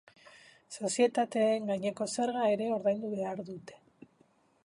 Sozietateen gaineko zerga ere ordaindu behar dute.